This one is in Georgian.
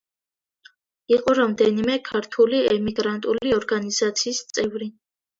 იყო რამდენიმე ქართული ემიგრანტული ორგანიზაციის წევრი.